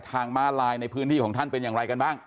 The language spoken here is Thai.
ม้าลายในพื้นที่ของท่านเป็นอย่างไรกันบ้าง